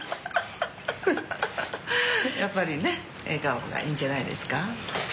やっぱりね笑顔がいいんじゃないですか。